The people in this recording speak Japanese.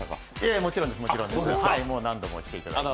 もちろんです、もう何度も来ていただいて。